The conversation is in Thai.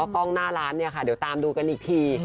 กล้องหน้าร้านเดี๋ยวตามดูกันอีกที